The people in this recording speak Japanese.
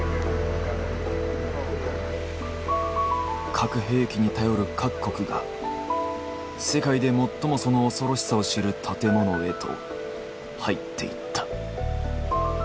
核兵器に頼る各国が世界で最もその恐ろしさを知る建物へと入っていった。